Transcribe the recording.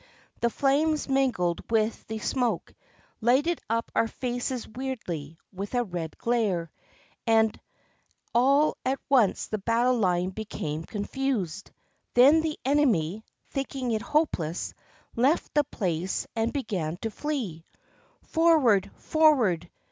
The flames mingled with the smoke, lighted up our faces weirdly, with a red glare, and all at once the battle line became confused. Then the enemy, thinking it hopeless, left the place and began to flee, "Forward! forw^ard!